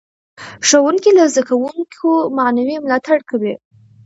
ښوونکي له زده کوونکو معنوي ملاتړ کوي.